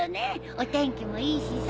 お天気もいいしさ。